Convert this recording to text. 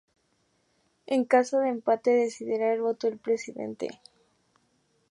En caso de empate decidirá el voto del presidente.